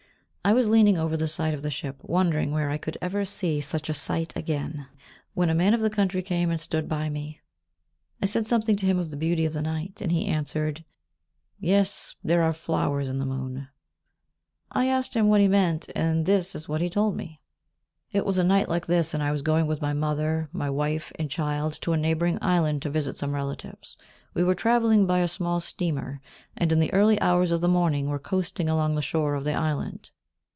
I was leaning over the side of the ship, wondering where I could ever see such a sight again, when a man of the country came and stood by me. I said something to him of the beauty of the night, and he answered, "Yes, there are flowers in the moon." I asked him what he meant, and this is what he told me: "It was a night like this, and I was going with my mother, my wife, and child to a neighbouring island to visit some relatives. We were travelling by a small steamer, and in the early hours of the morning were coasting along the shore of the island.